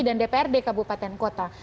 dan dprd kabupaten kota